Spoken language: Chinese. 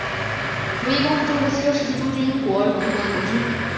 荣夷公是中国西周时期诸侯国荣国的国君。